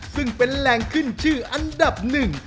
ซึ่งเป็นแหล่งขึ้นชื่ออันดับหนึ่ง